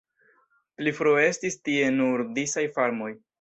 Pli frue estis tie nur disaj farmoj.